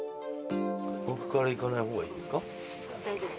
僕からいかない方がいいですか？